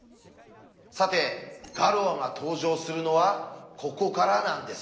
さてガロアが登場するのはここからなんです。